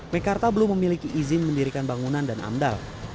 mekarta belum memiliki izin mendirikan bangunan dan amdal